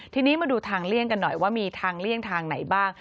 ทีนี้มาดูทางเลี่ยงกันหน่อยว่ามีทางเลี่ยงทางไหนบ้าง